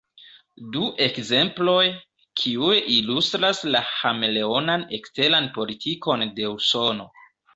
Du ekzemploj, kiuj ilustras la ĥameleonan eksteran politikon de Usono.